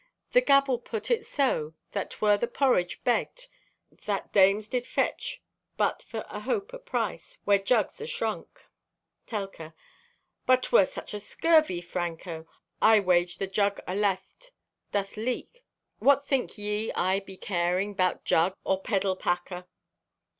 The gabble put it so, that 'twere the porridge begged that dames did fetch but for a hope o' price, where jugs ashrunk." (Telka) "But 'twere such a scurvey, Franco! I wage the jug aleft doth leak. What think ye I be caring 'bout jug or peddle packer?"